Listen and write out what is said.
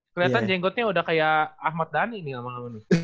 kelihatan jenggotnya udah kayak ahmad dhani nih abang lama nih